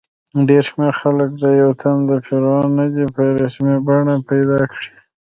ډېر شمېر خلک د یو دین پیروان نه دي چې رسمي بڼه پیدا کړي.